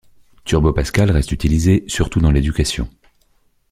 Turbo Pascal reste utilisé, surtout dans l'éducation.